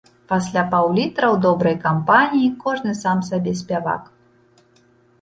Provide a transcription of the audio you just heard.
Пасля паўлітра ў добрай кампаніі кожны сам сабе спявак.